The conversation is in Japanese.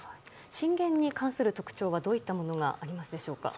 震源に関する特徴はどういったものがありますでしょうか。